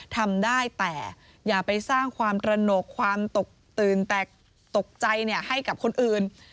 ทำได้แต่อย่าไปสร้างความตระหนกความตกตื่นตกใจให้กับคนอื่น